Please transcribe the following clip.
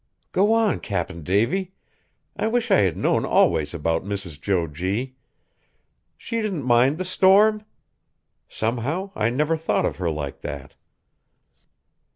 "Go on, Cap'n Davy. I wish I had known always about Mrs. Jo G. She didn't mind the storm? Somehow I never thought of her like that."